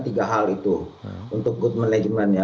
tiga hal itu untuk good managementnya